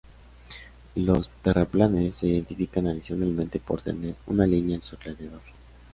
Los terraplenes se identifican adicionalmente por tener una línea a su alrededor.